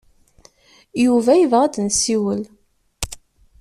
Yuba yebɣa ad nessiwel.